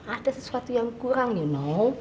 ada sesuatu yang kurang you know